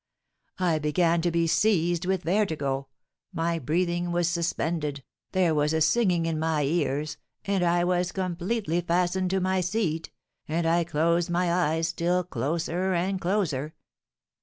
I began to be seized with vertigo, my breathing was suspended, there was a singing in my ears, and I was completely fastened to my seat, and I closed my eyes still closer and closer.